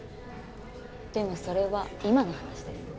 でもそれは今の話です。